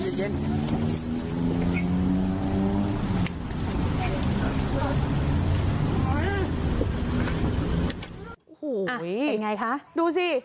เดี๋ยวพะเด็กตกตัวดิ